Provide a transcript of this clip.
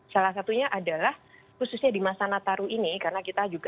salah satunya adalah khususnya di masa nataru ini karena kita juga